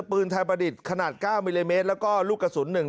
ปืนไทยประดิษฐ์ขนาด๙มิลลิเมตรแล้วก็ลูกกระสุน